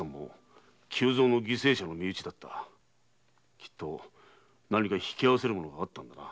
きっと何か引き合わせるものがあったんだな。